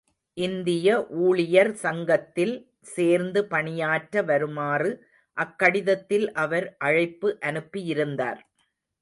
இந்திய ஊழியர் சங்கத்தில் சேர்ந்து பணியாற்ற வருமாறு அக்கடிதத்தில் அவர் அழைப்பு அனுப்பியிருந்தார்.